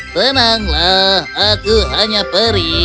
tenanglah aku hanya peri